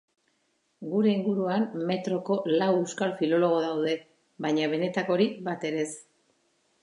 Gure inguruan metroko lau euskal filologo daude, baina benetakorik bat ere ez.